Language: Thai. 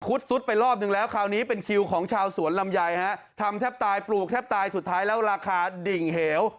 ซุดไปรอบนึงแล้วคราวนี้เป็นคิวของชาวสวนลำไยฮะทำแทบตายปลูกแทบตายสุดท้ายแล้วราคาดิ่งเหว